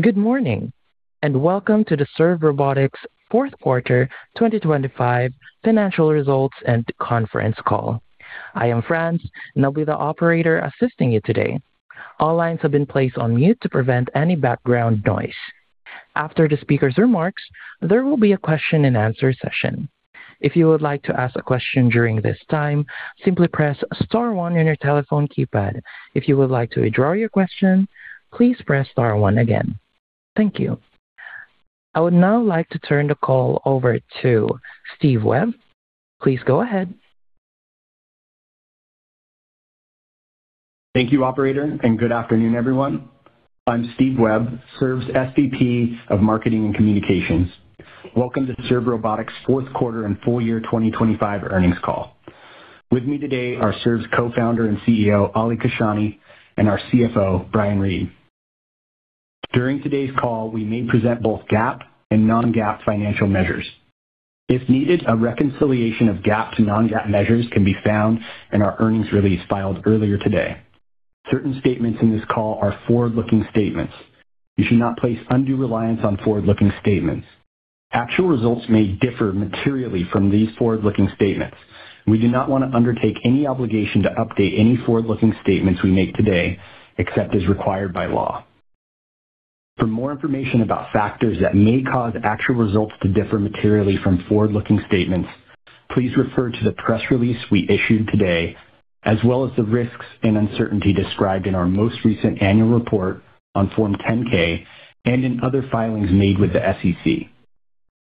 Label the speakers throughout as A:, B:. A: Good morning, and welcome to the Serve Robotics fourth quarter 2025 financial results and conference call. I am Franz, and I'll be the operator assisting you today. All lines have been placed on mute to prevent any background noise. After the speaker's remarks, there will be a question and answer session. If you would like to ask a question during this time, simply press star one on your telephone keypad. If you would like to withdraw your question, please press star one again. Thank you. I would now like to turn the call over to Steve Webb. Please go ahead.
B: Thank you, operator, and good afternoon, everyone. I'm Steve Webb, Serve's SVP of Marketing and Communications. Welcome to Serve Robotics' fourth quarter and full year 2025 earnings call. With me today are Serve's co-founder and CEO, Ali Kashani, and our CFO, Brian Read. During today's call, we may present both GAAP and non-GAAP financial measures. If needed, a reconciliation of GAAP to non-GAAP measures can be found in our earnings release filed earlier today. Certain statements in this call are forward-looking statements. You should not place undue reliance on forward-looking statements. Actual results may differ materially from these forward-looking statements. We do not want to undertake any obligation to update any forward-looking statements we make today, except as required by law. For more information about factors that may cause actual results to differ materially from forward-looking statements, please refer to the press release we issued today, as well as the risks and uncertainties described in our most recent annual report on Form 10-K and in other filings made with the SEC.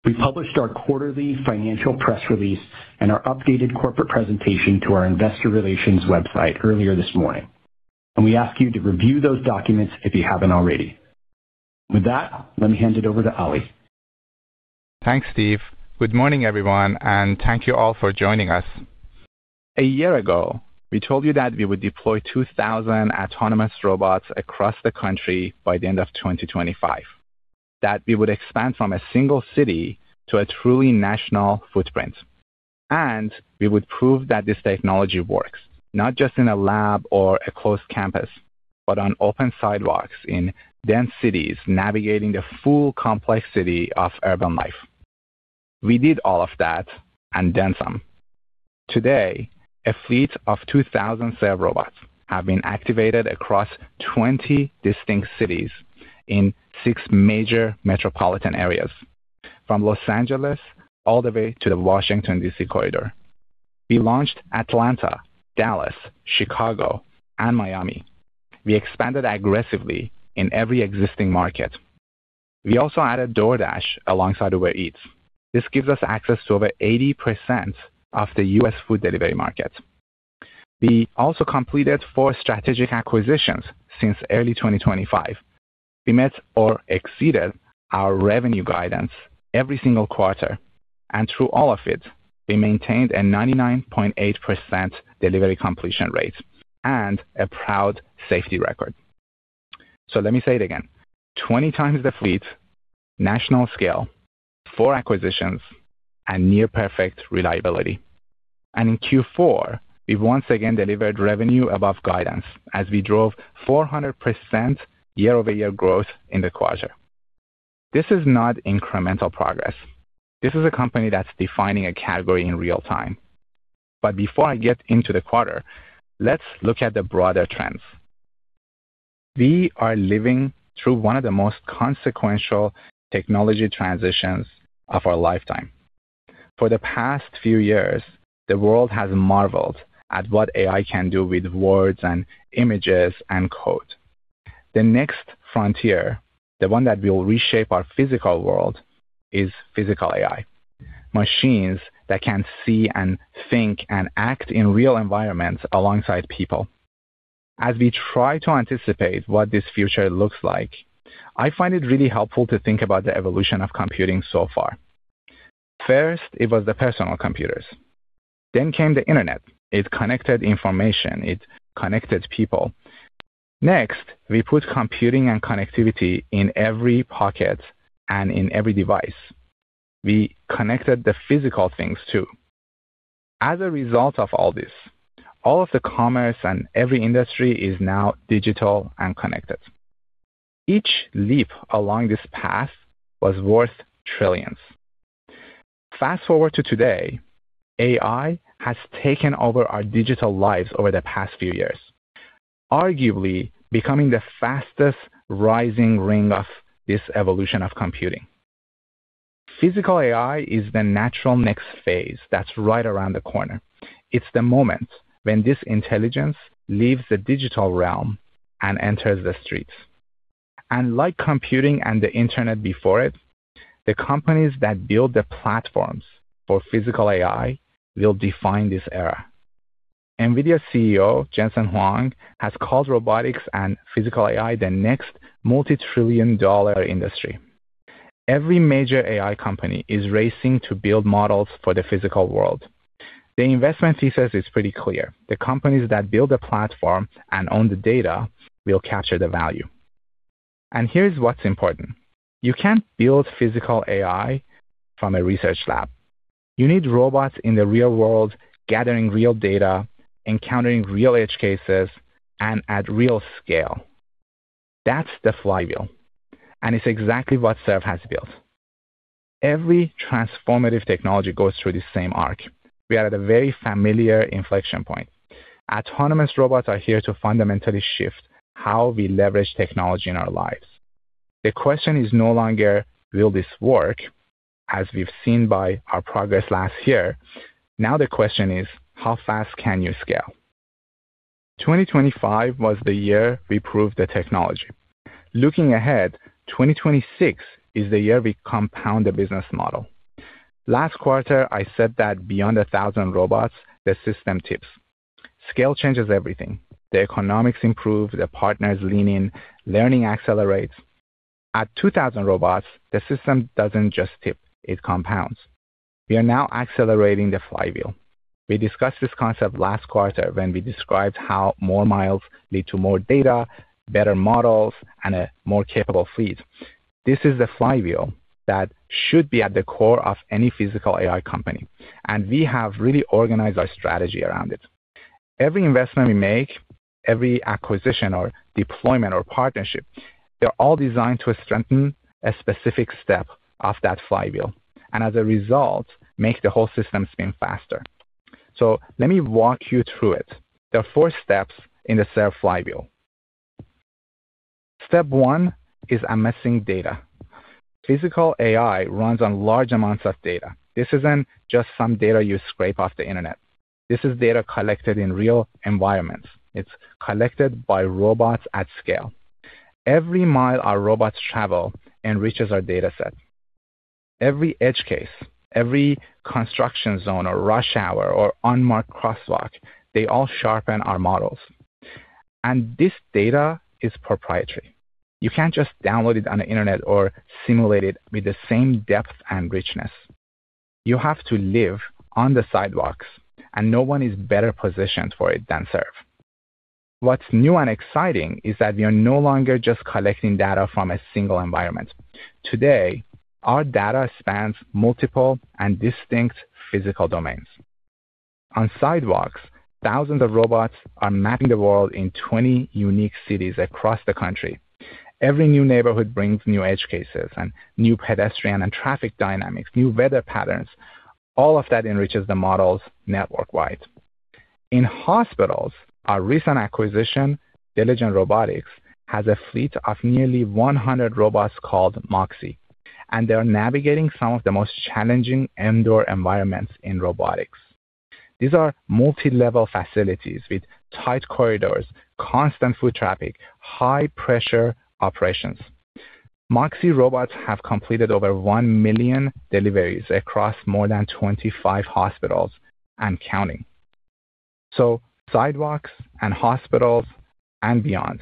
B: We published our quarterly financial press release and our updated corporate presentation to our investor relations website earlier this morning, and we ask you to review those documents if you haven't already. With that, let me hand it over to Ali.
C: Thanks, Steve. Good morning, everyone, and thank you all for joining us. A year ago, we told you that we would deploy 2,000 autonomous robots across the country by the end of 2025, that we would expand from a single city to a truly national footprint, and we would prove that this technology works, not just in a lab or a closed campus, but on open sidewalks in dense cities, navigating the full complexity of urban life. We did all of that and then some. Today, a fleet of 2,000 Serve robots have been activated across 20 distinct cities in six major metropolitan areas, from Los Angeles all the way to the Washington, D.C., corridor. We launched Atlanta, Dallas, Chicago, and Miami. We expanded aggressively in every existing market. We also added DoorDash alongside Uber Eats. This gives us access to over 80% of the U.S. food delivery market. We also completed four strategic acquisitions since early 2025. We met or exceeded our revenue guidance every single quarter, and through all of it, we maintained a 99.8% delivery completion rate and a proud safety record. Let me say it again. 20 times the fleet, national scale, four acquisitions, and near-perfect reliability. In Q4, we once again delivered revenue above guidance as we drove 400% year-over-year growth in the quarter. This is not incremental progress. This is a company that's defining a category in real time. Before I get into the quarter, let's look at the broader trends. We are living through one of the most consequential technology transitions of our lifetime. For the past few years, the world has marveled at what AI can do with words and images and code. The next frontier, the one that will reshape our physical world, is physical AI, machines that can see and think and act in real environments alongside people. As we try to anticipate what this future looks like, I find it really helpful to think about the evolution of computing so far. First, it was the personal computers. Then came the internet. It connected information. It connected people. Next, we put computing and connectivity in every pocket and in every device. We connected the physical things too. As a result of all this, all of the commerce and every industry is now digital and connected. Each leap along this path was worth trillions. Fast-forward to today, AI has taken over our digital lives over the past few years, arguably becoming the fastest rising ring of this evolution of computing. Physical AI is the natural next phase that's right around the corner. It's the moment when this intelligence leaves the digital realm and enters the streets. Like computing and the internet before it, the companies that build the platforms for physical AI will define this era. NVIDIA CEO Jensen Huang has called robotics and physical AI the next multi-trillion dollar industry. Every major AI company is racing to build models for the physical world. The investment thesis is pretty clear. The companies that build the platform and own the data will capture the value. Here's what's important. You can't build Physical AI from a research lab. You need robots in the real world gathering real data, encountering real edge cases, and at real scale. That's the flywheel, and it's exactly what Serve has built. Every transformative technology goes through the same arc. We are at a very familiar inflection point. Autonomous robots are here to fundamentally shift how we leverage technology in our lives. The question is no longer will this work, as we've seen by our progress last year. Now the question is: how fast can you scale? 2025 was the year we proved the technology. Looking ahead, 2026 is the year we compound the business model. Last quarter, I said that beyond 1,000 robots, the system tips. Scale changes everything. The economics improve, the partners lean in, learning accelerates. At 2,000 robots, the system doesn't just tip, it compounds. We are now accelerating the flywheel. We discussed this concept last quarter when we described how more miles lead to more data, better models, and a more capable fleet. This is the flywheel that should be at the core of any Physical AI company, and we have really organized our strategy around it. Every investment we make, every acquisition or deployment or partnership, they're all designed to strengthen a specific step of that flywheel, and as a result, make the whole system spin faster. Let me walk you through it. There are four steps in the Serve flywheel. Step one is amassing data. Physical AI runs on large amounts of data. This isn't just some data you scrape off the internet. This is data collected in real environments. It's collected by robots at scale. Every mile our robots travel enriches our data set. Every edge case, every construction zone or rush hour or unmarked crosswalk, they all sharpen our models. This data is proprietary. You can't just download it on the internet or simulate it with the same depth and richness. You have to live on the sidewalks and no one is better positioned for it than Serve. What's new and exciting is that we are no longer just collecting data from a single environment. Today, our data spans multiple and distinct physical domains. On sidewalks, thousands of robots are mapping the world in 20 unique cities across the country. Every new neighborhood brings new edge cases and new pedestrian and traffic dynamics, new weather patterns. All of that enriches the models network-wide. In hospitals, our recent acquisition, Diligent Robotics, has a fleet of nearly 100 robots called Moxi, and they are navigating some of the most challenging indoor environments in robotics. These are multi-level facilities with tight corridors, constant foot traffic, high-pressure operations. Moxi robots have completed over 1 million deliveries across more than 25 hospitals and counting. Sidewalks and hospitals and beyond,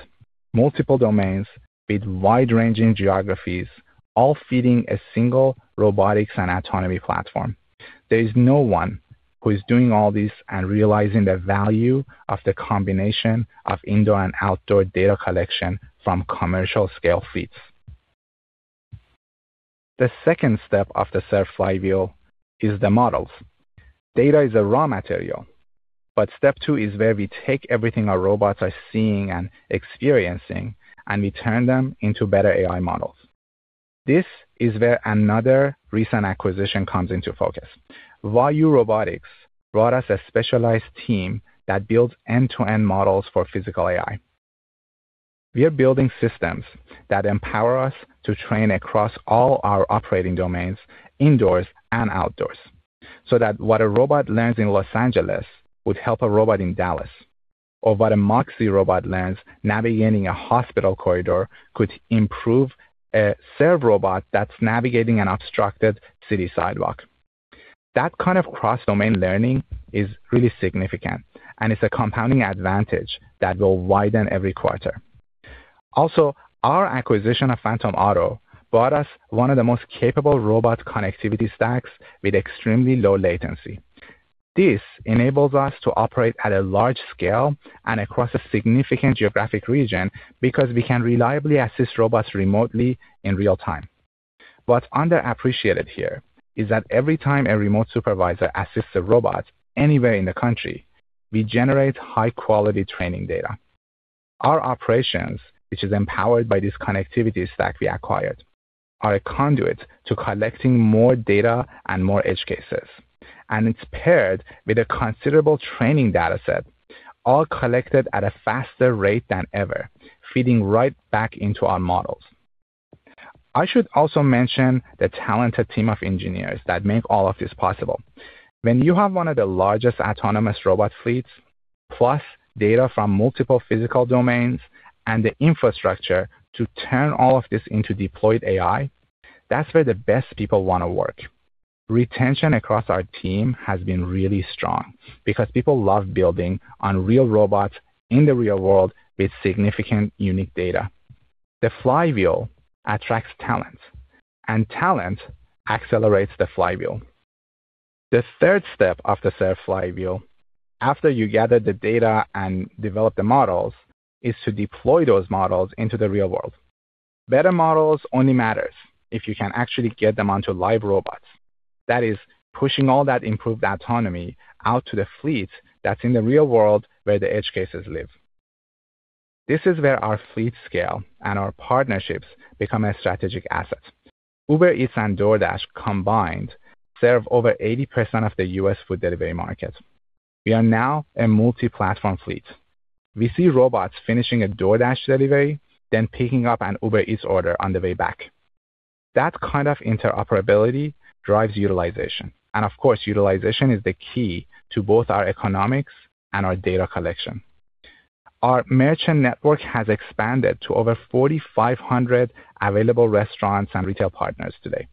C: multiple domains with wide-ranging geographies, all feeding a single robotics and autonomy platform. There is no one who is doing all this and realizing the value of the combination of indoor and outdoor data collection from commercial scale fleets. The second step of the Serve flywheel is the models. Data is a raw material, but step two is where we take everything our robots are seeing and experiencing, and we turn them into better AI models. This is where another recent acquisition comes into focus. Vayu Robotics brought us a specialized team that builds end-to-end models for Physical AI. We are building systems that empower us to train across all our operating domains, indoors and outdoors, so that what a robot learns in Los Angeles would help a robot in Dallas, or what a Moxi robot learns navigating a hospital corridor could improve a Serve robot that's navigating an obstructed city sidewalk. That kind of cross-domain learning is really significant, and it's a compounding advantage that will widen every quarter. Also, our acquisition of Phantom Auto bought us one of the most capable robot connectivity stacks with extremely low latency. This enables us to operate at a large scale and across a significant geographic region because we can reliably assist robots remotely in real time. What's underappreciated here is that every time a remote supervisor assists a robot anywhere in the country, we generate high-quality training data. Our operations, which is empowered by this connectivity stack we acquired, are a conduit to collecting more data and more edge cases, and it's paired with a considerable training data set, all collected at a faster rate than ever, feeding right back into our models. I should also mention the talented team of engineers that make all of this possible. When you have one of the largest autonomous robot fleets, plus data from multiple physical domains and the infrastructure to turn all of this into deployed AI, that's where the best people wanna work. Retention across our team has been really strong because people love building on real robots in the real world with significant unique data. The flywheel attracts talent, and talent accelerates the flywheel. The third step of the Serve flywheel, after you gather the data and develop the models, is to deploy those models into the real world. Better models only matters if you can actually get them onto live robots. That is pushing all that improved autonomy out to the fleet that's in the real world where the edge cases live. This is where our fleet scale and our partnerships become a strategic asset. Uber Eats and DoorDash combined serve over 80% of the U.S. food delivery market. We are now a multi-platform fleet. We see robots finishing a DoorDash delivery, then picking up an Uber Eats order on the way back. That kind of interoperability drives utilization, and of course, utilization is the key to both our economics and our data collection. Our merchant network has expanded to over 4,500 available restaurants and retail partners today.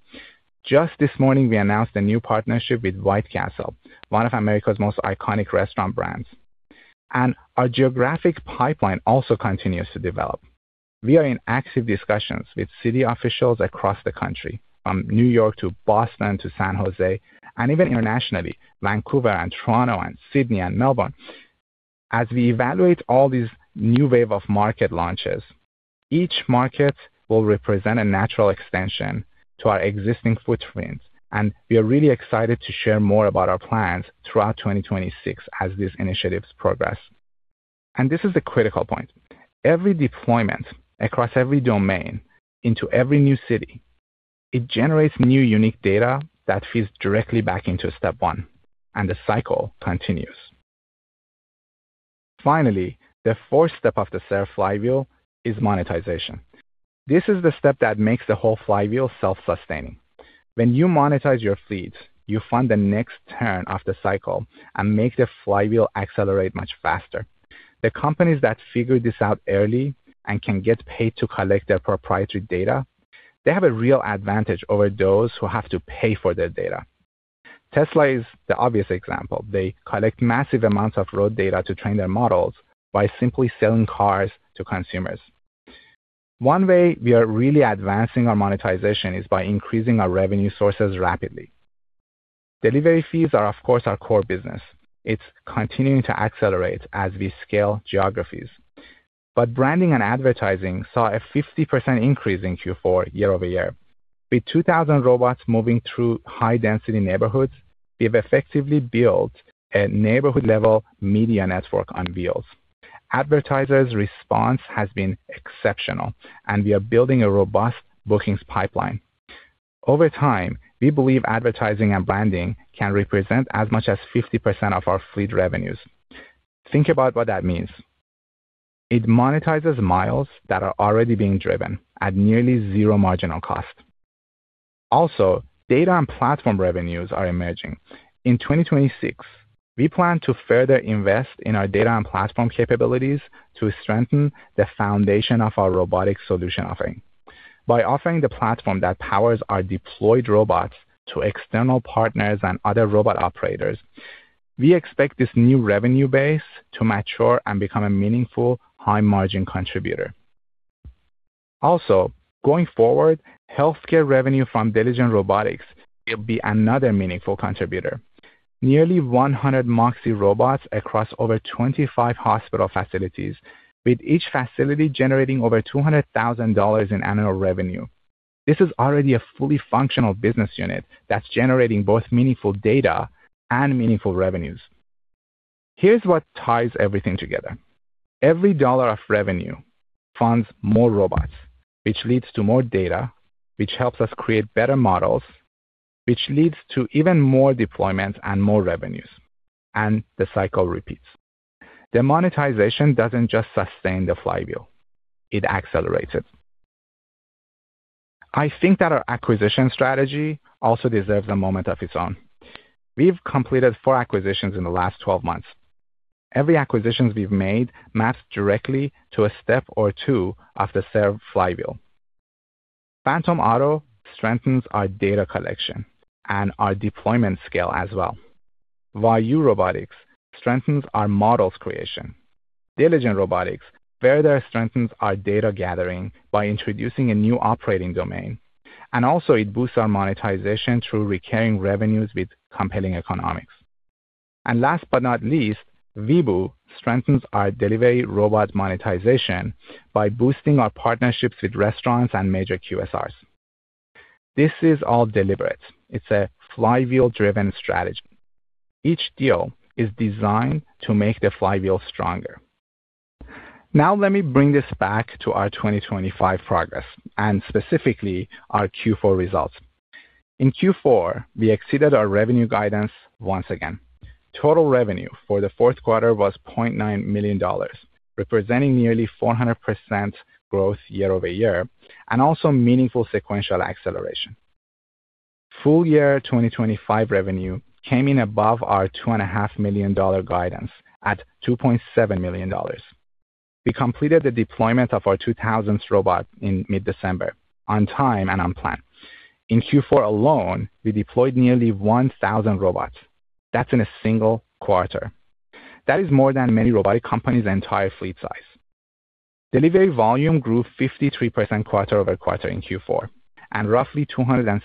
C: Just this morning, we announced a new partnership with White Castle, one of America's most iconic restaurant brands. Our geographic pipeline also continues to develop. We are in active discussions with city officials across the country, from New York to Boston to San Jose, and even internationally, Vancouver and Toronto and Sydney and Melbourne. As we evaluate all these new wave of market launches, each market will represent a natural extension to our existing footprint, and we are really excited to share more about our plans throughout 2026 as these initiatives progress. This is a critical point. Every deployment across every domain into every new city, it generates new unique data that feeds directly back into step one, and the cycle continues. Finally, the fourth step of the Serve flywheel is monetization. This is the step that makes the whole flywheel self-sustaining. When you monetize your fleet, you fund the next turn of the cycle and make the flywheel accelerate much faster. The companies that figure this out early and can get paid to collect their proprietary data, they have a real advantage over those who have to pay for their data. Tesla is the obvious example. They collect massive amounts of road data to train their models by simply selling cars to consumers. One way we are really advancing our monetization is by increasing our revenue sources rapidly. Delivery fees are, of course, our core business. It's continuing to accelerate as we scale geographies. Branding and advertising saw a 50% increase in Q4 year-over-year. With 2,000 robots moving through high-density neighborhoods, we have effectively built a neighborhood-level media network on wheels. Advertisers' response has been exceptional, and we are building a robust bookings pipeline. Over time, we believe advertising and branding can represent as much as 50% of our fleet revenues. Think about what that means. It monetizes miles that are already being driven at nearly zero marginal cost. Also, data and platform revenues are emerging. In 2026, we plan to further invest in our data and platform capabilities to strengthen the foundation of our robotic solution offering. By offering the platform that powers our deployed robots to external partners and other robot operators, we expect this new revenue base to mature and become a meaningful high-margin contributor. Also, going forward, healthcare revenue from Diligent Robotics will be another meaningful contributor. Nearly 100 Moxi robots across over 25 hospital facilities, with each facility generating over $200,000 in annual revenue. This is already a fully functional business unit that's generating both meaningful data and meaningful revenues. Here's what ties everything together. Every dollar of revenue funds more robots, which leads to more data, which helps us create better models, which leads to even more deployments and more revenues, and the cycle repeats. The monetization doesn't just sustain the flywheel, it accelerates it. I think that our acquisition strategy also deserves a moment of its own. We've completed four acquisitions in the last 12 months. Every acquisition we've made maps directly to a step or two of the Serve flywheel. Phantom Auto strengthens our data collection and our deployment scale as well. Vayu Robotics strengthens our models creation. Diligent Robotics further strengthens our data gathering by introducing a new operating domain, and also it boosts our monetization through recurring revenues with compelling economics. Last but not least, Weebo strengthens our delivery robot monetization by boosting our partnerships with restaurants and major QSRs. This is all deliberate. It's a flywheel-driven strategy. Each deal is designed to make the flywheel stronger. Now let me bring this back to our 2025 progress and specifically our Q4 results. In Q4, we exceeded our revenue guidance once again. Total revenue for the fourth quarter was $0.9 million, representing nearly 400% growth year-over-year and also meaningful sequential acceleration. Full-year 2025 revenue came in above our $2.5 million guidance at $2.7 million. We completed the deployment of our 2,000th robot in mid-December on time and on plan. In Q4 alone, we deployed nearly 1,000 robots. That's in a single quarter. That is more than many robotic companies' entire fleet size. Delivery volume grew 53% quarter-over-quarter in Q4 and roughly 270%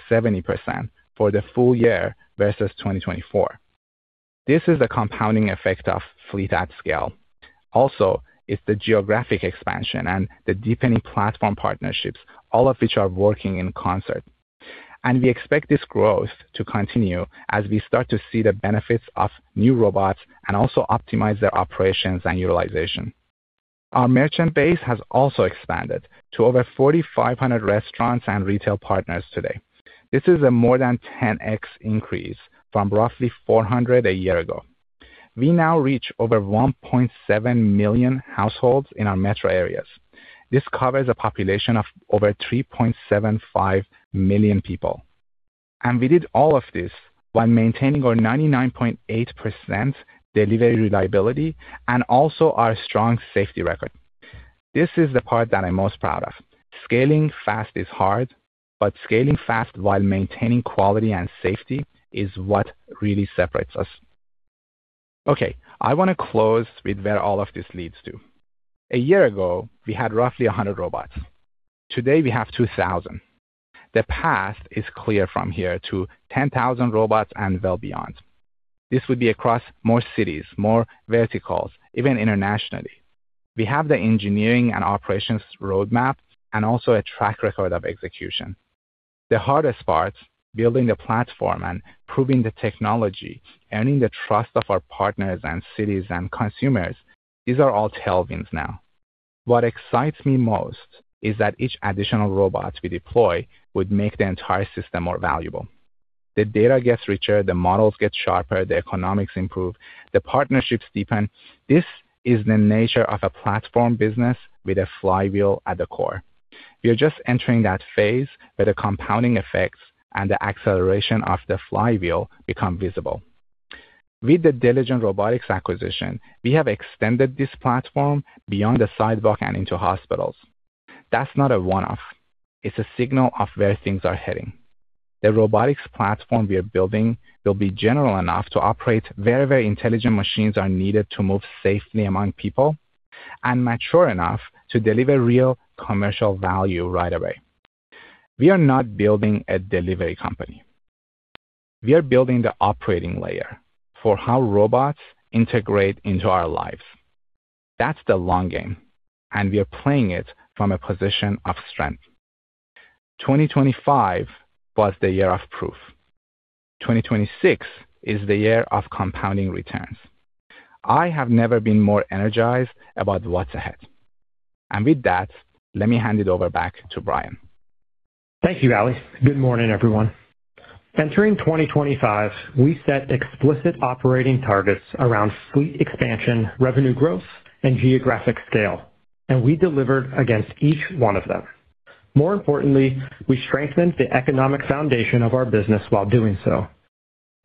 C: for the full year versus 2024. This is a compounding effect of fleet at scale. Also, it's the geographic expansion and the deepening platform partnerships, all of which are working in concert. We expect this growth to continue as we start to see the benefits of new robots and also optimize their operations and utilization. Our merchant base has also expanded to over 4,500 restaurants and retail partners today. This is a more than 10x increase from roughly 400 a year ago. We now reach over 1.7 million households in our metro areas. This covers a population of over 3.75 million people. We did all of this while maintaining our 99.8% delivery reliability and also our strong safety record. This is the part that I'm most proud of. Scaling fast is hard, but scaling fast while maintaining quality and safety is what really separates us. Okay, I want to close with where all of this leads to. A year ago, we had roughly 100 robots. Today we have 2,000. The path is clear from here to 10,000 robots and well beyond. This would be across more cities, more verticals, even internationally. We have the engineering and operations roadmap and also a track record of execution. The hardest part, building the platform and proving the technology, earning the trust of our partners and cities and consumers, these are all tailwinds now. What excites me most is that each additional robot we deploy would make the entire system more valuable. The data gets richer, the models get sharper, the economics improve, the partnerships deepen. This is the nature of a platform business with a flywheel at the core. We are just entering that phase where the compounding effects and the acceleration of the flywheel become visible. With the Diligent Robotics acquisition, we have extended this platform beyond the sidewalk and into hospitals. That's not a one-off. It's a signal of where things are heading. The robotics platform we are building will be general enough to operate where very intelligent machines are needed to move safely among people and mature enough to deliver real commercial value right away. We are not building a delivery company. We are building the operating layer for how robots integrate into our lives. That's the long game, and we are playing it from a position of strength. 2025 was the year of proof. 2026 is the year of compounding returns. I have never been more energized about what's ahead. With that, let me hand it over back to Brian.
D: Thank you, Ali. Good morning, everyone. Entering 2025, we set explicit operating targets around fleet expansion, revenue growth, and geographic scale, and we delivered against each one of them. More importantly, we strengthened the economic foundation of our business while doing so.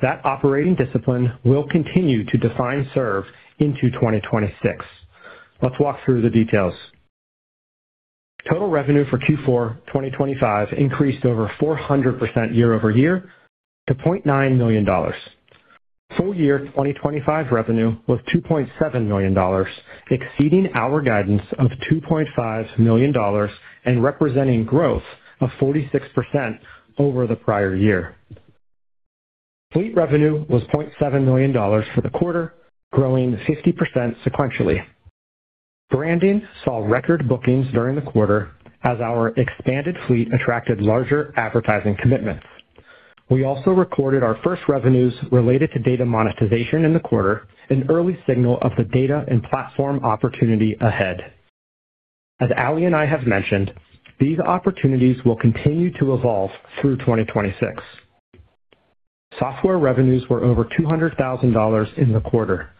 D: That operating discipline will continue to define Serve into 2026. Let's walk through the details. Total revenue for Q4 2025 increased over 400% year-over-year to $0.9 million. Full year 2025 revenue was $2.7 million, exceeding our guidance of $2.5 million and representing growth of 46% over the prior year. Fleet revenue was $0.7 million for the quarter, growing 50% sequentially. Branding saw record bookings during the quarter as our expanded fleet attracted larger advertising commitments. We also recorded our first revenues related to data monetization in the quarter, an early signal of the data and platform opportunity ahead. As Ali and I have mentioned, these opportunities will continue to evolve through 2026. Software revenues were over $200,000 in the quarter.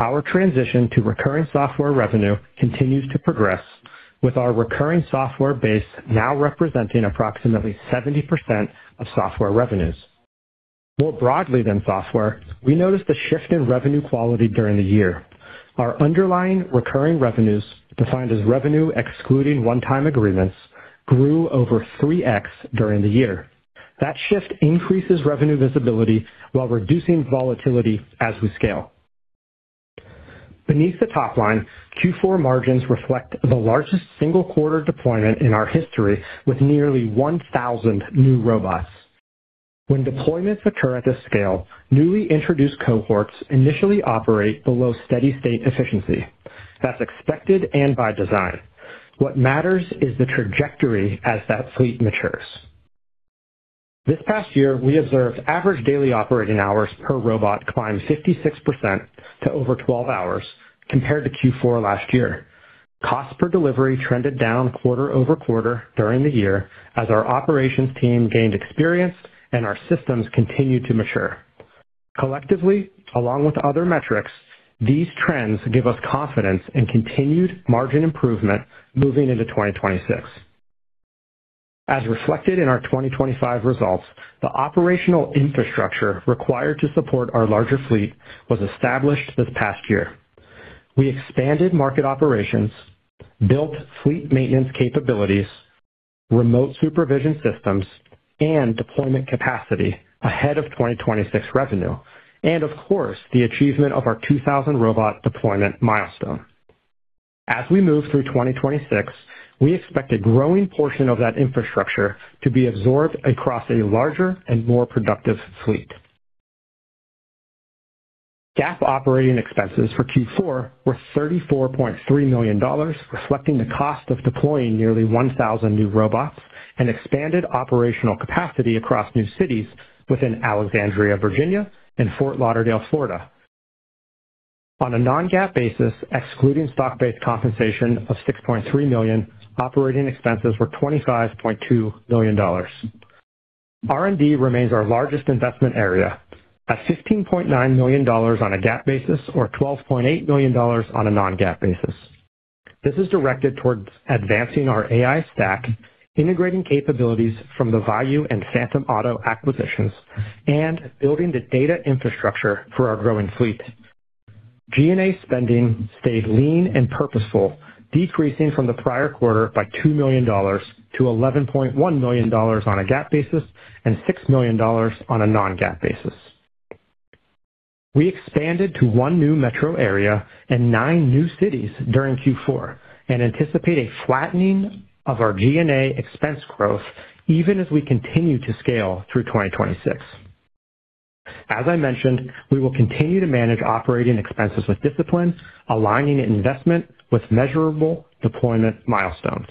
D: Our transition to recurring software revenue continues to progress, with our recurring software base now representing approximately 70% of software revenues. More broadly than software, we noticed a shift in revenue quality during the year. Our underlying recurring revenues, defined as revenue excluding one-time agreements, grew over 3x during the year. That shift increases revenue visibility while reducing volatility as we scale. Beneath the top line, Q4 margins reflect the largest single quarter deployment in our history with nearly 1,000 new robots. When deployments occur at this scale, newly introduced cohorts initially operate below steady-state efficiency. That's expected and by design. What matters is the trajectory as that fleet matures. This past year, we observed average daily operating hours per robot climb 56% to over 12 hours compared to Q4 last year. Cost per delivery trended down quarter-over-quarter during the year as our operations team gained experience and our systems continued to mature. Collectively, along with other metrics, these trends give us confidence in continued margin improvement moving into 2026. As reflected in our 2025 results, the operational infrastructure required to support our larger fleet was established this past year. We expanded market operations, built fleet maintenance capabilities, remote supervision systems, and deployment capacity ahead of 2026 revenue, and of course, the achievement of our 2,000 robot deployment milestone. As we move through 2026, we expect a growing portion of that infrastructure to be absorbed across a larger and more productive fleet. GAAP operating expenses for Q4 were $34.3 million, reflecting the cost of deploying nearly 1,000 new robots and expanded operational capacity across new cities within Alexandria, Virginia, and Fort Lauderdale, Florida. On a non-GAAP basis, excluding stock-based compensation of $6.3 million, operating expenses were $25.2 million. R&D remains our largest investment area at $15.9 million on a GAAP basis or $12.8 million on a non-GAAP basis. This is directed towards advancing our AI stack, integrating capabilities from the Vayu and Phantom Auto acquisitions, and building the data infrastructure for our growing fleet. G&A spending stayed lean and purposeful, decreasing from the prior quarter by $2 million to $11.1 million on a GAAP basis, and $6 million on a non-GAAP basis. We expanded to one new metro area and nine new cities during Q4 and anticipate a flattening of our G&A expense growth even as we continue to scale through 2026. As I mentioned, we will continue to manage operating expenses with discipline, aligning investment with measurable deployment milestones.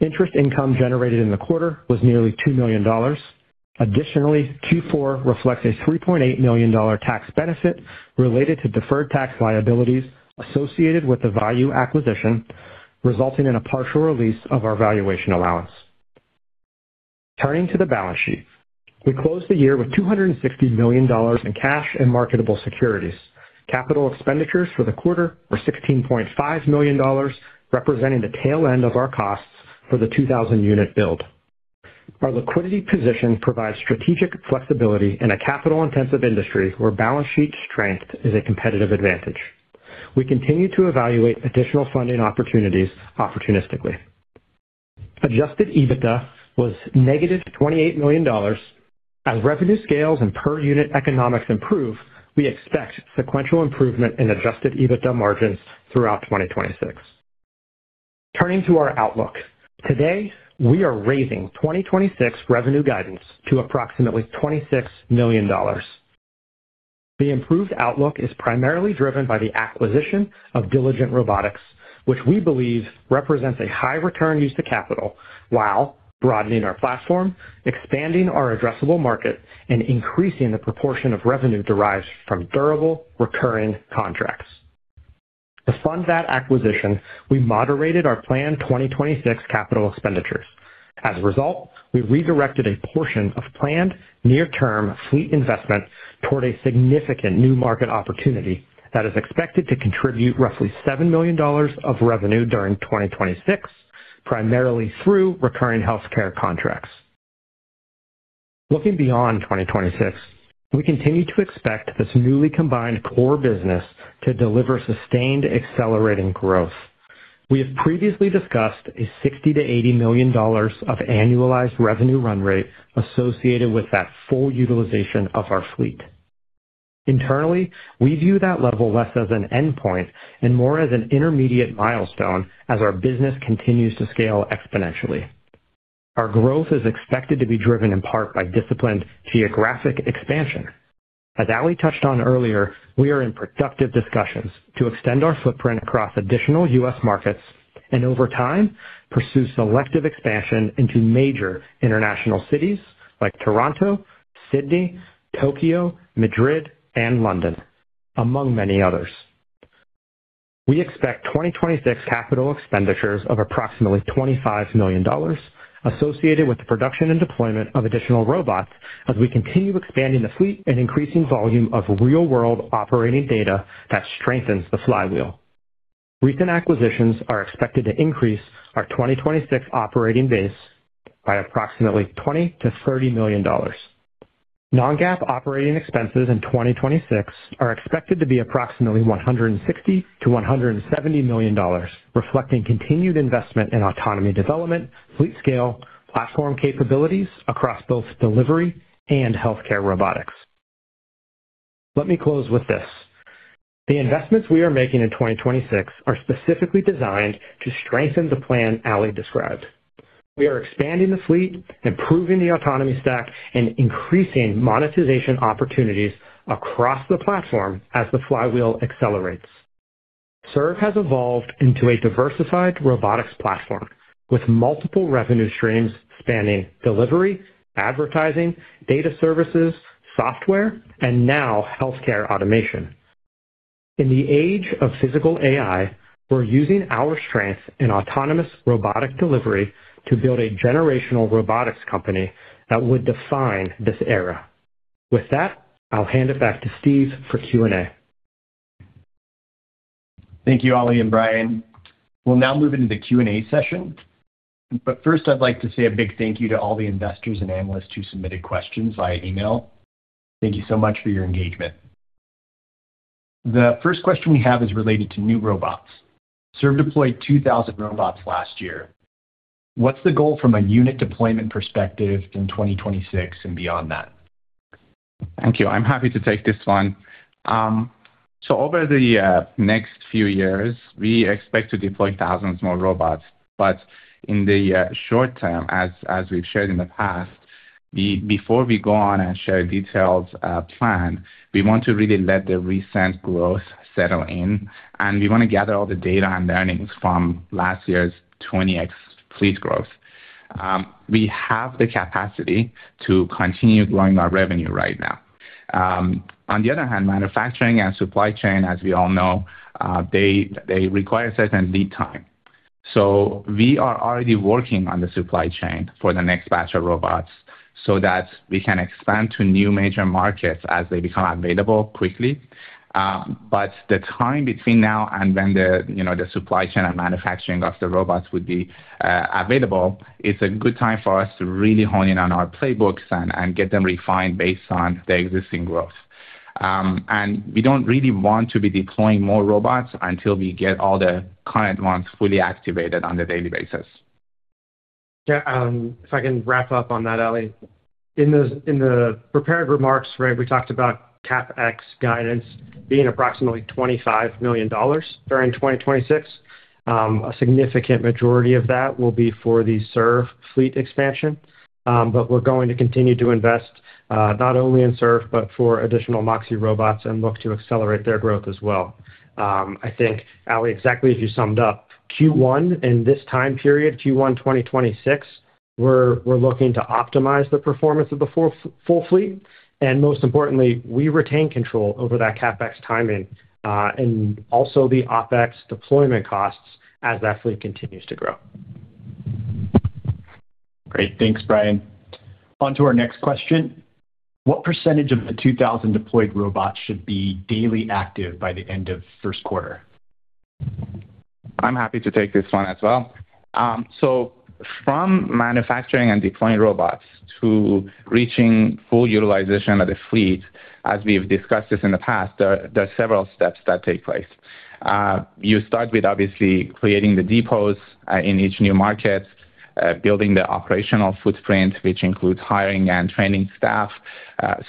D: Interest income generated in the quarter was nearly $2 million. Additionally, Q4 reflects a $3.8 million tax benefit related to deferred tax liabilities associated with the Vayu acquisition, resulting in a partial release of our valuation allowance. Turning to the balance sheet. We closed the year with $260 million in cash and marketable securities. Capital expenditures for the quarter were $16.5 million, representing the tail end of our costs for the 2,000-unit build. Our liquidity position provides strategic flexibility in a capital-intensive industry where balance sheet strength is a competitive advantage. We continue to evaluate additional funding opportunities opportunistically. Adjusted EBITDA was negative $28 million. As revenue scales and per unit economics improve, we expect sequential improvement in adjusted EBITDA margins throughout 2026. Turning to our outlook. Today, we are raising 2026 revenue guidance to approximately $26 million. The improved outlook is primarily driven by the acquisition of Diligent Robotics, which we believe represents a high return use of capital while broadening our platform, expanding our addressable market, and increasing the proportion of revenue derived from durable recurring contracts. To fund that acquisition, we moderated our planned 2026 capital expenditures. As a result, we redirected a portion of planned near term fleet investment toward a significant new market opportunity that is expected to contribute roughly $7 million of revenue during 2026, primarily through recurring healthcare contracts. Looking beyond 2026, we continue to expect this newly combined core business to deliver sustained accelerating growth. We have previously discussed a $60 million-$80 million of annualized revenue run rate associated with that full utilization of our fleet. Internally, we view that level less as an endpoint and more as an intermediate milestone as our business continues to scale exponentially. Our growth is expected to be driven in part by disciplined geographic expansion. As Ali touched on earlier, we are in productive discussions to extend our footprint across additional U.S. markets and over time, pursue selective expansion into major international cities like Toronto, Sydney, Tokyo, Madrid, and London, among many others. We expect 2026 capital expenditures of approximately $25 million associated with the production and deployment of additional robots as we continue expanding the fleet and increasing volume of real-world operating data that strengthens the flywheel. Recent acquisitions are expected to increase our 2026 operating base by approximately $20-$30 million. Non-GAAP operating expenses in 2026 are expected to be approximately $160 million-$170 million, reflecting continued investment in autonomy development, fleet scale, platform capabilities across both delivery and healthcare robotics. Let me close with this. The investments we are making in 2026 are specifically designed to strengthen the plan Ali described. We are expanding the fleet, improving the autonomy stack, and increasing monetization opportunities across the platform as the flywheel accelerates. Serve has evolved into a diversified robotics platform with multiple revenue streams spanning delivery, advertising, data services, software, and now healthcare automation. In the age of Physical AI, we're using our strength in autonomous robotic delivery to build a generational robotics company that would define this era. With that, I'll hand it back to Steve for Q&A.
B: Thank you, Ali and Brian. We'll now move into the Q&A session, but first I'd like to say a big thank you to all the investors and analysts who submitted questions via email. Thank you so much for your engagement. The first question we have is related to new robots. Serve deployed 2,000 robots last year. What's the goal from a unit deployment perspective in 2026 and beyond that?
C: Thank you. I'm happy to take this one. Over the next few years, we expect to deploy thousands more robots. In the short term, as we've shared in the past, before we go on and share a detailed plan, we want to really let the recent growth settle in, and we wanna gather all the data and learnings from last year's 20x fleet growth. We have the capacity to continue growing our revenue right now. On the other hand, manufacturing and supply chain, as we all know, they require certain lead time. We are already working on the supply chain for the next batch of robots so that we can expand to new major markets as they become available quickly. The time between now and when the the supply chain and manufacturing of the robots would be available, it's a good time for us to really hone in on our playbooks and get them refined based on the existing growth. We don't really want to be deploying more robots until we get all the current ones fully activated on a daily basis.
D: Yeah, if I can wrap up on that, Ali. In the prepared remarks, right, we talked about CapEx guidance being approximately $25 million during 2026. A significant majority of that will be for the Serve fleet expansion. We're going to continue to invest, not only in Serve, but for additional Moxi robots and look to accelerate their growth as well. I think, Ali, exactly as you summed up, Q1 in this time period, Q1 2026, we're looking to optimize the performance of the full fleet, and most importantly, we retain control over that CapEx timing, and also the OpEx deployment costs as that fleet continues to grow.
B: Great. Thanks, Brian. On to our next question. What percentage of the 2,000 deployed robots should be daily active by the end of first quarter?
C: I'm happy to take this one as well. From manufacturing and deploying robots to reaching full utilization of the fleet, as we've discussed this in the past, there are several steps that take place. You start with obviously creating the depots in each new market, building the operational footprint, which includes hiring and training staff.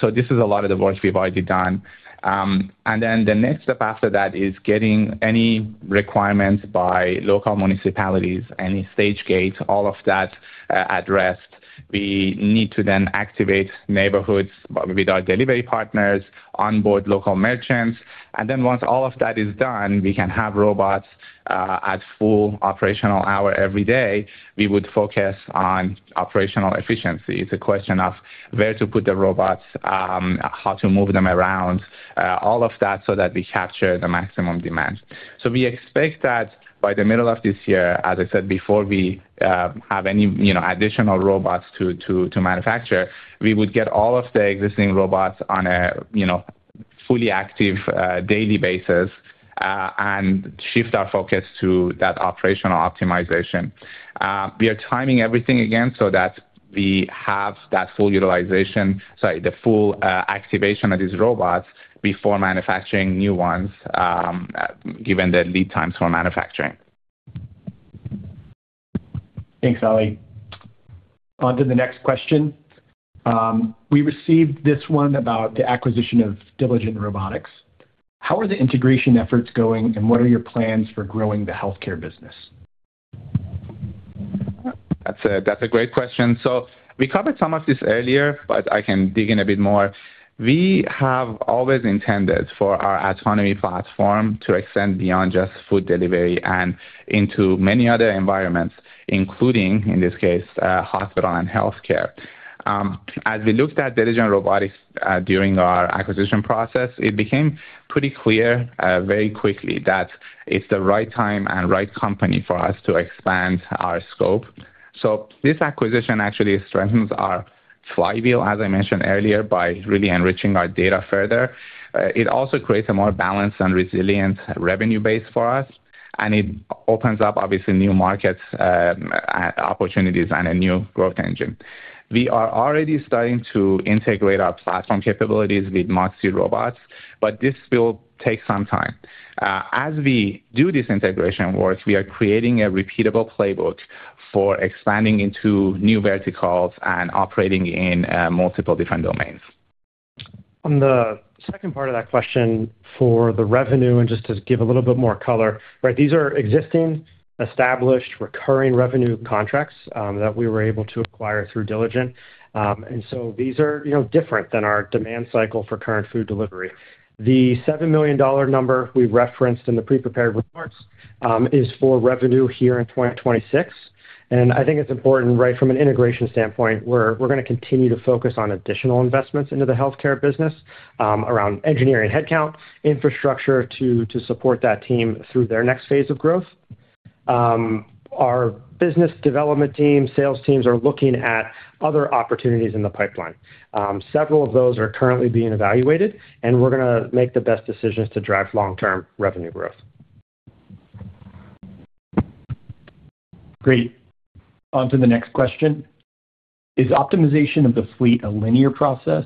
C: This is a lot of the work we've already done. The next step after that is getting any requirements by local municipalities, any stage gates, all of that addressed. We need to activate neighborhoods with our delivery partners, onboard local merchants, and then once all of that is done, we can have robots at full operational hour every day. We would focus on operational efficiency. It's a question of where to put the robots, how to move them around, all of that, so that we capture the maximum demand. We expect that by the middle of this year, as I said before, if we have any, additional robots to manufacture, we would get all of the existing robots on a fully active, daily basis, and shift our focus to that operational optimization. We are timing everything again so that we have the full activation of these robots before manufacturing new ones, given the lead times for manufacturing.
B: Thanks, Ali. On to the next question. We received this one about the acquisition of Diligent Robotics. How are the integration efforts going, and what are your plans for growing the healthcare business?
C: That's a great question. We covered some of this earlier, but I can dig in a bit more. We have always intended for our autonomy platform to extend beyond just food delivery and into many other environments, including, in this case, hospital and healthcare. As we looked at Diligent Robotics during our acquisition process. It became pretty clear very quickly that it's the right time and right company for us to expand our scope. This acquisition actually strengthens our flywheel, as I mentioned earlier, by really enriching our data further. It also creates a more balanced and resilient revenue base for us, and it opens up, obviously, new markets, opportunities and a new growth engine. We are already starting to integrate our platform capabilities with Moxi robots, but this will take some time. As we do this integration work, we are creating a repeatable playbook for expanding into new verticals and operating in multiple different domains.
D: On the second part of that question for the revenue, and just to give a little bit more color, right? These are existing, established, recurring revenue contracts that we were able to acquire through Diligent. These are different than our demand cycle for current food delivery. The $7 million number we referenced in the pre-prepared reports is for revenue here in 2026. I think it's important, right from an integration standpoint, we're gonna continue to focus on additional investments into the healthcare business around engineering headcount, infrastructure to support that team through their next phase of growth. Our business development team, sales teams are looking at other opportunities in the pipeline. Several of those are currently being evaluated, and we're gonna make the best decisions to drive long-term revenue growth.
B: Great. On to the next question. Is optimization of the fleet a linear process,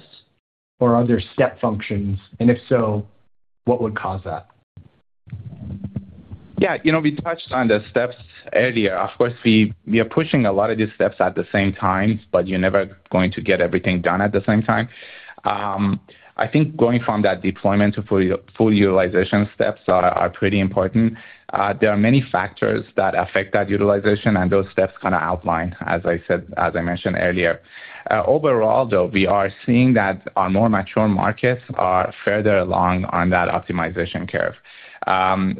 B: or are there step functions? And if so, what would cause that?
C: Yeah. You know, we touched on the steps earlier. Of course, we are pushing a lot of these steps at the same time, but you're never going to get everything done at the same time. I think going from that deployment to full utilization steps are pretty important. There are many factors that affect that utilization and those steps kinda outline, as I mentioned earlier. Overall, though, we are seeing that our more mature markets are further along on that optimization curve.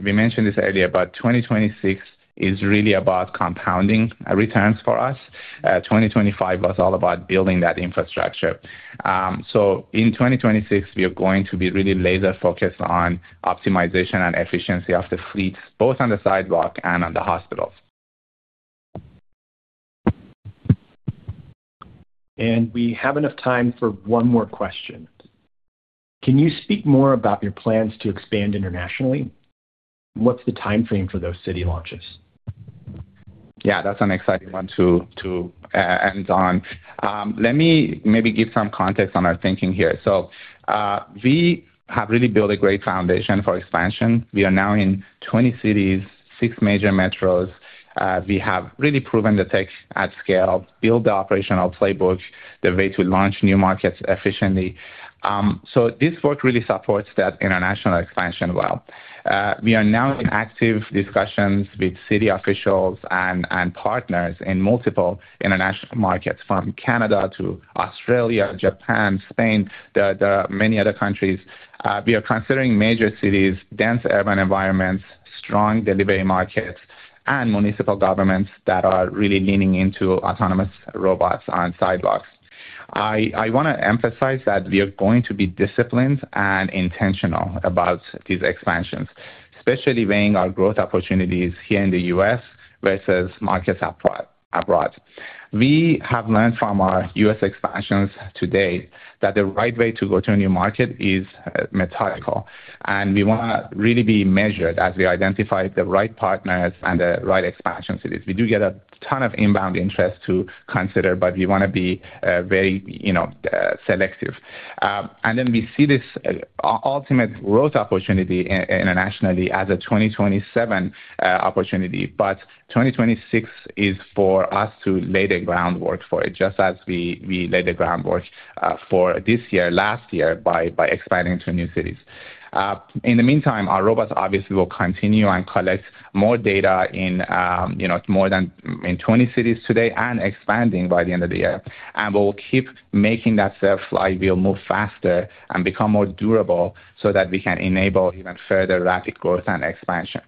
C: We mentioned this earlier, but 2026 is really about compounding returns for us. 2025 was all about building that infrastructure. In 2026 we are going to be really laser-focused on optimization and efficiency of the fleets, both on the sidewalk and on the hospitals.
B: We have enough time for one more question. Can you speak more about your plans to expand internationally? What's the timeframe for those city launches?
C: Yeah, that's an exciting one to end on. Let me maybe give some context on our thinking here. We have really built a great foundation for expansion. We are now in 20 cities, six major metros. We have really proven the tech at scale, built the operational playbook, the way to launch new markets efficiently. This work really supports that international expansion well. We are now in active discussions with city officials and partners in multiple international markets, from Canada to Australia, Japan, Spain, the many other countries. We are considering major cities, dense urban environments, strong delivery markets and municipal governments that are really leaning into autonomous robots on sidewalks. I wanna emphasize that we are going to be disciplined and intentional about these expansions, especially weighing our growth opportunities here in the U.S. versus markets abroad. We have learned from our U.S. expansions to date that the right way to go to a new market is methodical, and we wanna really be measured as we identify the right partners and the right expansion cities. We do get a ton of inbound interest to consider, but we wanna be very selective. We see this ultimate growth opportunity internationally as a 2027 opportunity. 2026 is for us to lay the groundwork for it, just as we laid the groundwork for this year last year by expanding to new cities. In the meantime, our robots obviously will continue and collect more data in, you know, 20 cities today and expanding by the end of the year. We'll keep making that Serve fly. We'll move faster and become more durable so that we can enable even further rapid growth and expansion.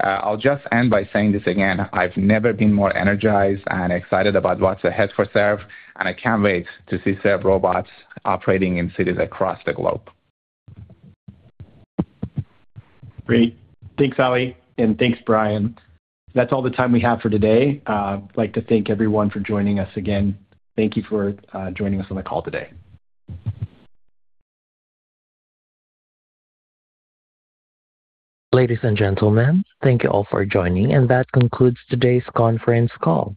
C: I'll just end by saying this again, I've never been more energized and excited about what's ahead for Serve, and I can't wait to see Serve robots operating in cities across the globe.
B: Great. Thanks, Ali, and thanks, Brian. That's all the time we have for today. I'd like to thank everyone for joining us again. Thank you for joining us on the call today.
A: Ladies and gentlemen, thank you all for joining, and that concludes today's conference call.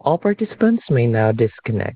A: All participants may now disconnect.